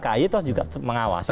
kak ayu toh juga mengawasi